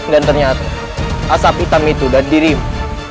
dan ternyata asap hitam itu adalah dirimu